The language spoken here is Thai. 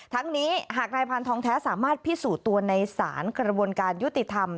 ทั้งนี้หากนายพานทองแท้สามารถพิสูจน์ตัวในศาลกระบวนการยุติธรรม